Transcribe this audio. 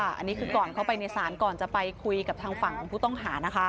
อันนี้คือก่อนเข้าไปในศาลก่อนจะไปคุยกับทางฝั่งของผู้ต้องหานะคะ